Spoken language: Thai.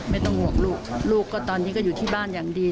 ไม่ต้องห่วงลูกลูกก็ตอนนี้ก็อยู่ที่บ้านอย่างดี